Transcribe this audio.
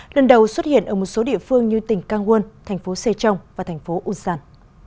lần đầu xuất hiện ở một số địa phương như tỉnh kangwon thành phố sejong và thành phố ulsan